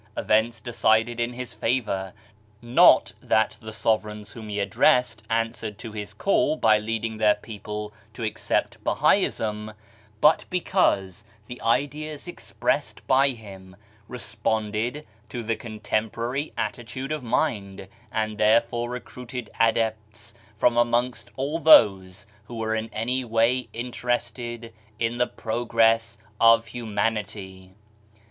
Events decided in his favour ; not that the sovereigns whom he addressed answered to his call by leading their people to accept Bahaism, but because the ideas expressed by him responded to the contemporary attitude of mind, and therefore recruited adepts from amongst all those who were in any way interested in the progress of humanity.